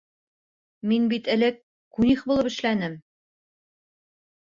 — Мин бит элек кунних булып эшләнем.